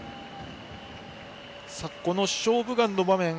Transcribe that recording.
この「勝負眼」の場面